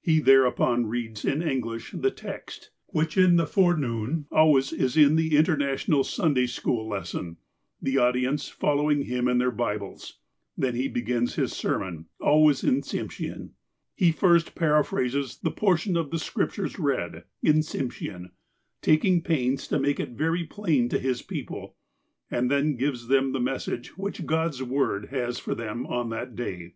He thereupon reads, in English, the text, which in the forenoon always is the luternational Sunday school lesson, the audience following him in their Bibles. Then he begins his sermon, always in Tsimshean. He first paraphrases the portion of the Scriptures read, in Tsim shean, taking pains to make it very plain to his people, and then gives them the message which God's "Word has for them on that day.